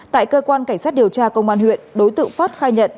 tại cơ quan cảnh sát điều tra công an huyện đối tượng phát khai nhận